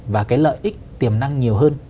và cái lợi ích tiềm năng nhiều hơn